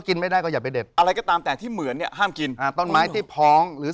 กินไม่ได้ก็อย่าไปเด็ดอะไรก็ตามแต่ที่เหมือนเนี่ยห้ามกินอ่าต้นไม้ที่พ้องหรือ